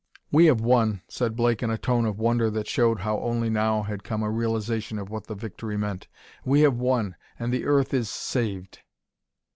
"We have won," said Blake in a tone of wonder that showed how only now had come a realization of what the victory meant. "We have won, and the earth is saved!"